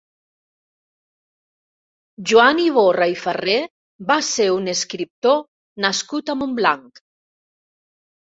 Joan Iborra i Farré va ser un escriptor nascut a Montblanc.